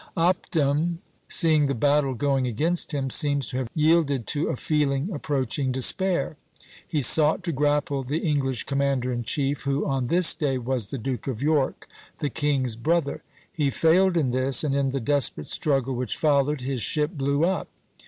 Opdam, seeing the battle going against him, seems to have yielded to a feeling approaching despair. He sought to grapple the English commander in chief, who on this day was the Duke of York, the king's brother. He failed in this, and in the desperate struggle which followed, his ship blew up.